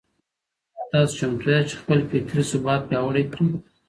آيا تاسو چمتو ياست چي خپل فکري ثبات پياوړی کړئ؟